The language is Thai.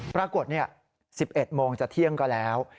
ปรากฏ๑๑โมงจะเที่ยงก็แล้ว